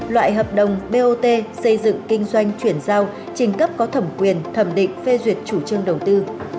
loại hợp đồng bot xây dựng kinh doanh chuyển giao trình cấp có thẩm quyền thẩm định phê duyệt chủ trương đầu tư